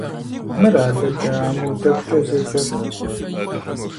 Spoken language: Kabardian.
Мыра, дадэ, аму дэгукӀэ зэджэр?